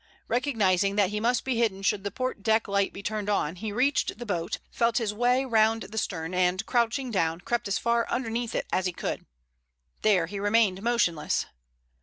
Recognizing that he must be hidden should the port deck light be turned on, he reached the boat, felt his way round the stern, and, crouching down, crept as far underneath it as he could. There he remained motionless.